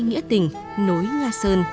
nghĩa tình nối nga sơn